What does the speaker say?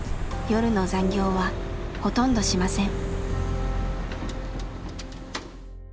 夜の残業はほとんどしません。